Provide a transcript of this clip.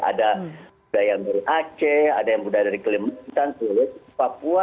ada budaya dari aceh ada budaya dari kelimantan ada budaya dari papua